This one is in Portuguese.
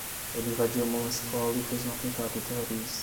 Ele invadiu uma escola e fez um atentado terrorista